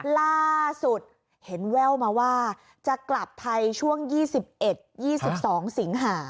ล่าสุดเห็นแว่วมาว่าจะกลับไทยช่วง๒๑๒๒สิงหา